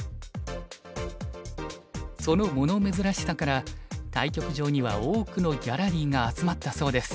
その物珍しさから対局場には多くのギャラリーが集まったそうです。